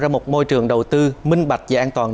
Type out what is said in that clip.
ra một môi trường đầu tư minh bạch và an toàn